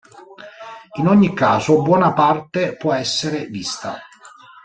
In ogni caso buona parte può essere vista.